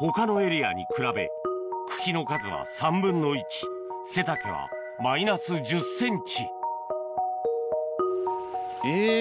他のエリアに比べ茎の数は３分の１背丈はマイナス１０ｃｍえ！